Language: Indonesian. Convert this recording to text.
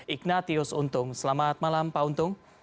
ignatius untung selamat malam pak untung